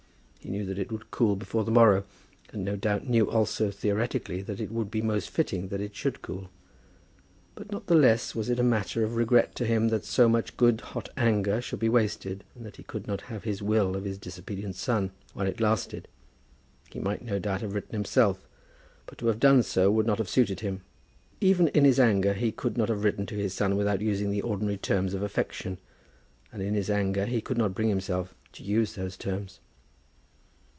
He knew that it would cool before the morrow; and, no doubt, knew also theoretically, that it would be most fitting that it should cool. But not the less was it a matter of regret to him that so much good hot anger should be wasted, and that he could not have his will of his disobedient son while it lasted. He might, no doubt, have written himself, but to have done so would not have suited him. Even in his anger he could not have written to his son without using the ordinary terms of affection, and in his anger he could not bring himself to use those terms.